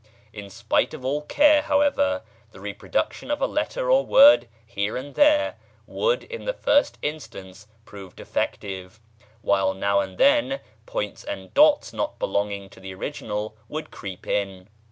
In spite of all care, however, the reproduction of a letter or word here and there would in the first instance prove defective, while now and then points and dots not belonging to the original would creep in.